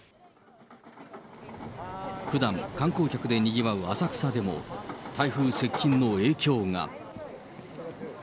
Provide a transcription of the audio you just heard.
ふだん、観光客でにぎわう浅草でも、台風接近の影響が。